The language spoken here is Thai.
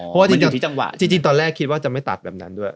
เพราะว่าจริงจังหวะจริงตอนแรกคิดว่าจะไม่ตัดแบบนั้นด้วย